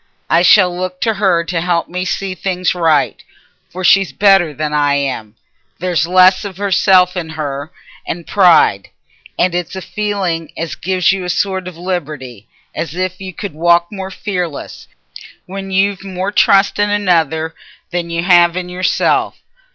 I shall look t' her to help me to see things right. For she's better than I am—there's less o' self in her, and pride. And it's a feeling as gives you a sort o' liberty, as if you could walk more fearless, when you've more trust in another than y' have in yourself.